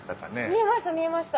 見えました見えました。